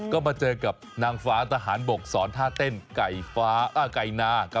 ก็มาเจอกับนางฟ้าทหารบก